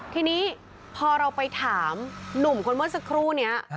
ทีนี้พอเราไปถามหนุ่มคนเมื่อสักครู่นี้